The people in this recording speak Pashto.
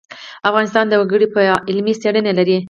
افغانستان د وګړي په اړه علمي څېړنې لري.